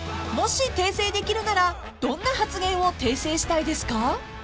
［もし訂正できるならどんな発言を訂正したいですか？］